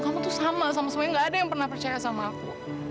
kamu tuh sama sama semuanya gak ada yang pernah percaya sama aku